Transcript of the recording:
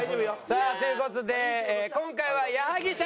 さあという事で今回は矢作舎の勝利。